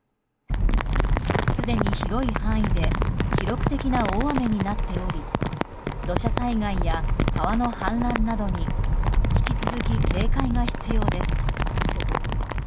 すでに広い範囲で記録的な大雨になっており土砂災害や川の氾濫などに引き続き警戒が必要です。